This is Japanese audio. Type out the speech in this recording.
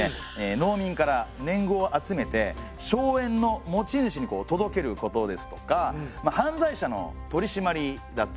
農民から年貢を集めて荘園の持ち主に届けることですとか犯罪者の取り締まりだったりそういったことをしてましたね。